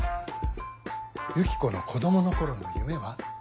ユキコの子供の頃の夢は？